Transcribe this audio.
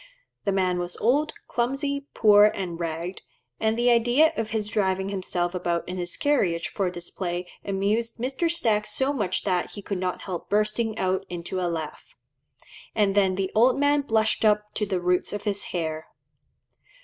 The man was old, clumsy, poor, and ragged, and the idea of his driving himself about in his carriage for display amused Mr. Stack so much that he could not help bursting out into a laugh; and then "the old man blushed up to the roots of his hair."